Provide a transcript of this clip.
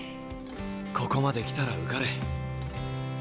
ここまで来たら受かれ。